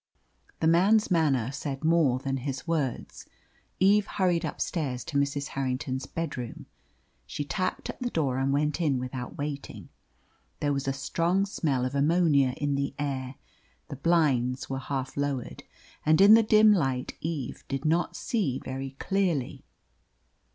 The man's manner said more than his words. Eve hurried upstairs to Mrs. Harrington's bedroom. She tapped at the door and went in without waiting. There was a strong smell of ammonia in the air. The blinds were half lowered, and in the dim light Eve did not see very clearly.